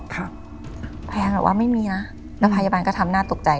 พยานแบบว่าไม่มีนะแล้วพยาบาลก็ทำน่าตกใจ